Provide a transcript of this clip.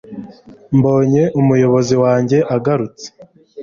mbonye umuyobozi wanjye agarutse